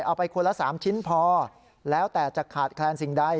เอาไปคนละ๓ชิ้นพอแล้วแต่จะขาดแคลนสิ่งใด